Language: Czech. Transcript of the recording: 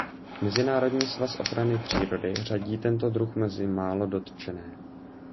Mezinárodní svaz ochrany přírody řadí tento druh mezi málo dotčené.